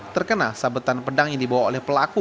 terkena sabetan pedang yang dibawa oleh pelaku